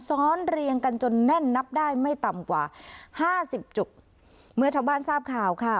เรียงกันจนแน่นนับได้ไม่ต่ำกว่าห้าสิบจุกเมื่อชาวบ้านทราบข่าวค่ะ